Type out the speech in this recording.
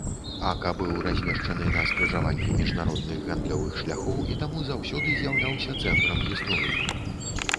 Ака быў размешчаны на скрыжаванні міжнародных гандлёвых шляхоў і таму заўсёды з'яўляўся цэнтрам гісторыі.